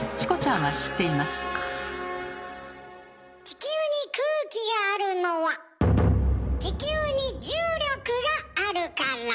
地球に空気があるのは地球に重力があるから。